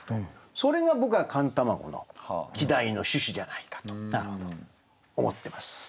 それが僕は「寒卵」の季題の趣旨じゃないかと思ってます。